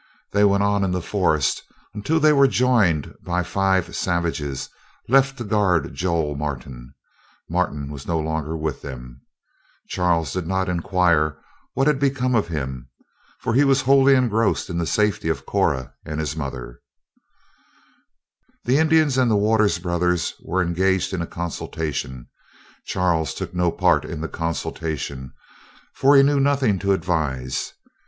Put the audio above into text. They went on in the forest until they were joined by the five savages left to guard Joel Martin. Martin was no longer with them. Charles did not inquire what had become of him, for he was wholly engrossed in the safety of Cora and his mother. [Illustration: MAP OF NORTH AMERICA PERIOD, 1680 TO 1700 DRAWN FOR "THE WITCH OF SALEM"] The Indians and the Waters brothers were engaged in a consultation. Charles took no part in the consultation, for he knew nothing to advise.